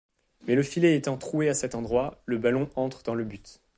Mais le filet étant troué à cet endroit, le ballon entre dans le but.